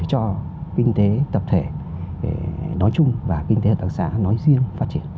cho kinh tế tập thể nói chung và kinh tế hợp tác xã nói riêng phát triển